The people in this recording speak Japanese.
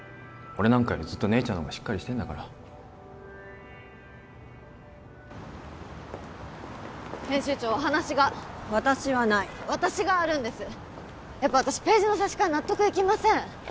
俺なんかよりずっと姉ちゃんの方がしっかりしてんだから編集長お話が私はない私があるんですやっぱ私ページの差し替え納得いきません